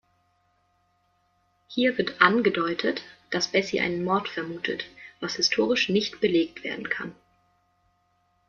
Hier wird angedeutet, dass Bessie einen Mord vermutet, was historisch nicht belegt werden kann.